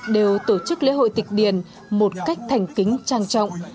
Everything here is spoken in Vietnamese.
đều tổ chức lễ hội tịch điền một cách thành kính trang trọng